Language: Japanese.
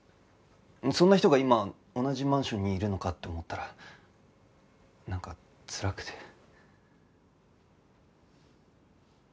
そんな人が今同じマンションにいるのかって思ったらなんかつらくて。